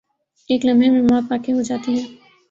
ایک لمحے میں موت واقع ہو جاتی ہے۔